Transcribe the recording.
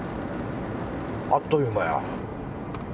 あっという間や。